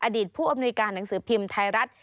อดีตผู้อำนวยการหนังสือพิมพ์ไทยรัฐ